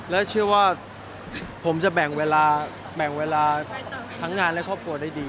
แล้วชื่อว่าผมจะแบ่งเวลาทั้งงานและครอบครัวได้ดี